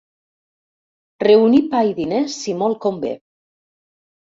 Reunir pa i diners, si molt convé.